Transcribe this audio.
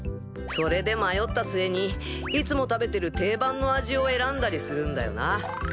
それで迷った末にいつも食べてる定番の味を選んだりするんだよな。